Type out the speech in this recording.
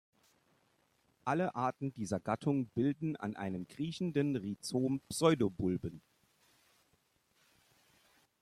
Alle Arten dieser Gattung bilden an einem kriechenden Rhizom Pseudobulben.